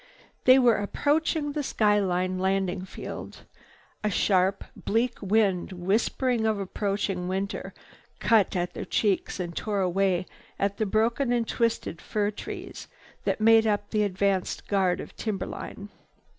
They were approaching the skyline landing field. A sharp, bleak wind, whispering of approaching winter, cut at their cheeks and tore away at the broken and twisted fir trees that made up the advance guard of timberline.